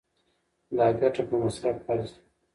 دا ګټه په مصرف ارزي.